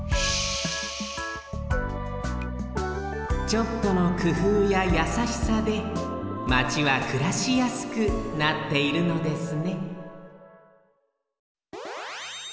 ちょっとのくふうややさしさでマチはくらしやすくなっているのですね